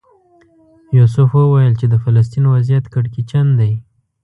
یوسف وویل چې د فلسطین وضعیت کړکېچن دی.